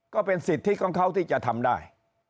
ก็เป็นสิทธิของเขาที่จะทำได้